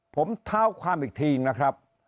ผมเท้าความอีกทีนะครับ